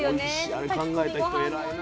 あれ考えた人偉いな。